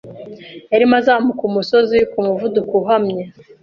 Yarimo azamuka umusozi ku muvuduko uhamye.